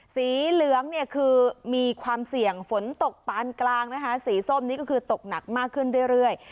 สีเหลืองเนี่ยคือมีความเสี่ยงฝนตกปานกลางนะคะสีส้มนี่ก็คือตกหนักมากขึ้นเรื่อย